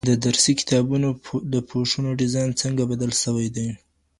د درسي کتابونو د پوښونو ډیزاین څنګه بدل سوی دی؟